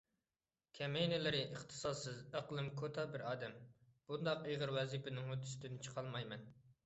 كەمىنىلىرى، ئىختىساسسىز، ئەقلىم كوتا بىر ئادەم، بۇنداق ئېغىر ۋەزىپىنىڭ ھۆددىسىدىن چىقالمايمەن.